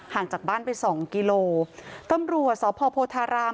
จากบ้านไปสองกิโลตำรวจสพโพธาราม